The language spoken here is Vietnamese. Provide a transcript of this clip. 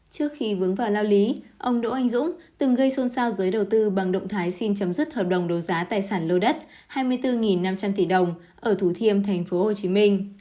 trước khi vướng vào lao lý ông đỗ anh dũng từng gây xôn xao giới đầu tư bằng động thái xin chấm dứt hợp đồng đấu giá tài sản lô đất hai mươi bốn năm trăm linh tỷ đồng ở thủ thiêm tp hcm